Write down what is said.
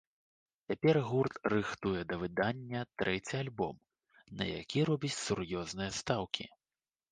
Цяпер гурт рыхтуе да выдання трэці альбом, на які робіць сур'ёзныя стаўкі.